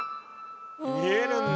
見えるんだ。